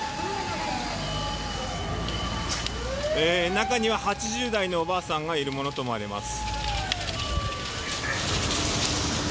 中には８０代のおばあさんがいるものと思われます。